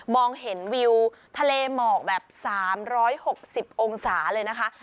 เห็นวิวทะเลหมอกแบบ๓๖๐องศาเลยนะคะ